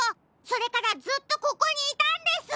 それからずっとここにいたんです！